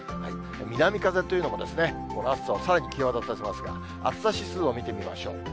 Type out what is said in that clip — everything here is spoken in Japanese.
南風というのもですね、この暑さをさらに際立たせますが、暑さ指数を見てみましょう。